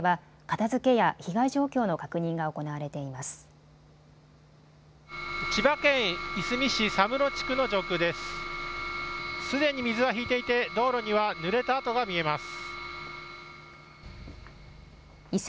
素手に水は引いていて道路にはぬれた跡が見えます。